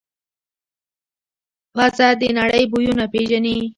پزه د نړۍ بویونه پېژني.